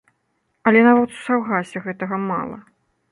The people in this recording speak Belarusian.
Але нават у саўгасе гэтага мала.